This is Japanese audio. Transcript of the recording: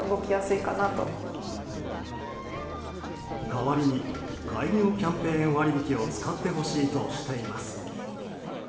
代わりに開業キャンペーン割引を使ってほしいとしています。